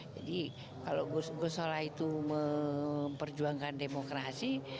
jadi kalau gusola itu memperjuangkan demokrasi